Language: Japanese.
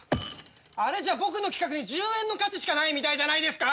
あれじゃ僕の企画に１０円の価値しかないみたいじゃないですか！